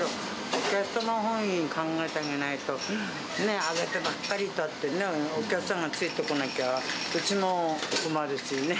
お客様本位で考えてあげないと、上げてばっかりいたってね、お客さんがついてこなきゃ、うちも困るしね。